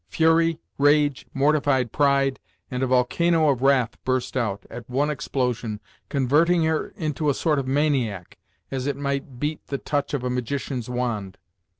Fury, rage, mortified pride, and a volcano of wrath burst out, at one explosion, converting her into a sort of maniac, as it might beat the touch of a magician's wand.